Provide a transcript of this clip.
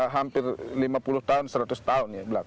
hampir lima puluh tahun seratus tahun ya